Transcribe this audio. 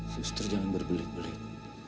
suster jangan berbelit belit